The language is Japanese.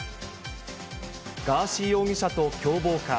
ガーシー容疑者と共謀か。